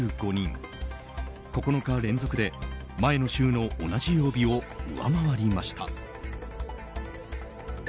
９日連続で前の週の同じ曜日を上回りました。